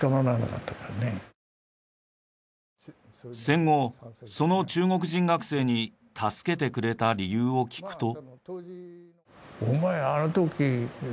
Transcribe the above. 戦後その中国人学生に助けてくれた理由を聞くと。